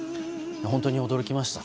本当に驚きました。